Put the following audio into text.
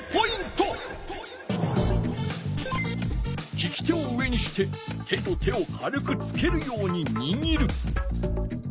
きき手を上にして手と手を軽くつけるようににぎる。